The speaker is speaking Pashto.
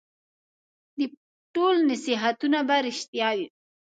ټول نصیحتونه به رېښتیا وي ؟